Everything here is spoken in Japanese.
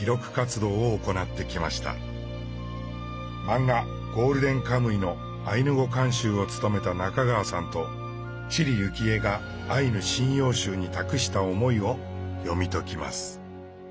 漫画「ゴールデンカムイ」のアイヌ語監修を務めた中川さんと知里幸恵が「アイヌ神謡集」に託した思いを読み解きます。